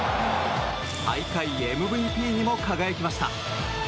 大会ＭＶＰにも輝きました。